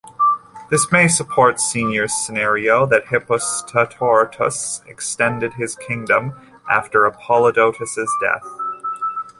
This may support Senior's scenario that Hippostratos extended his kingdom after Apollodotus' death.